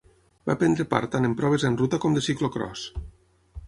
Va prendre part tant en proves en ruta com de ciclocròs.